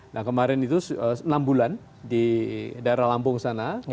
nah kemarin itu enam bulan di daerah lampung sana